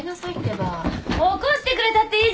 起こしてくれたっていいじゃないよ。